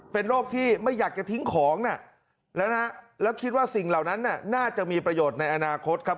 เป็นโรคที่ไม่อยากจะทิ้งของนะแล้วคิดว่าสิ่งเหล่านั้นน่าจะมีประโยชน์ในอนาคตครับ